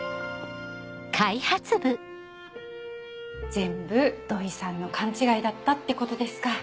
全部土居さんの勘違いだったってことですか。